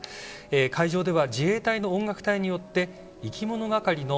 会場では自衛隊の音楽隊によっていきもの